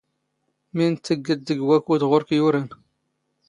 ⵎⵉⵏ ⵜⴻⵜⵜⴳⴳⴷ ⴷⴳ ⵡⴰⴽⵓⴷ ⵖⵓⵔⴽ ⵢⵓⵔⴰⵏ?